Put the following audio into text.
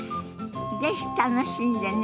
是非楽しんでね。